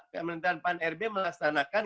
kementerian pan rb melaksanakan